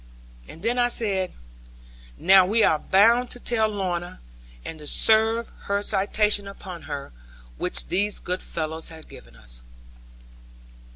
And then I said, 'Now we are bound to tell Lorna, and to serve her citation upon her, which these good fellows have given us.'